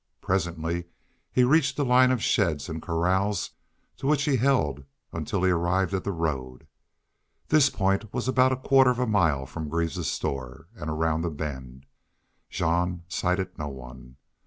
Presently he reached a line of sheds and corrals, to which he held until he arrived at the road. This point was about a quarter of a mile from Greaves's store, and around the bend. Jean sighted no one.